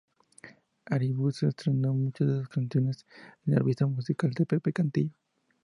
Arvizu estrenó muchas de esas canciones en la revista musical de Pepe Cantillo.